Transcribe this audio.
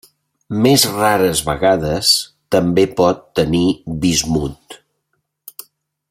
Més rares vegades també pot tenir bismut.